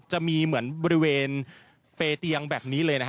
จะมีเหมือนบริเวณเปรเตียงแบบนี้เลยนะฮะ